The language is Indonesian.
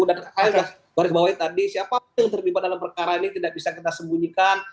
dan saya sudah baris bawahi tadi siapa yang terlibat dalam perkara ini tidak bisa kita sembunyikan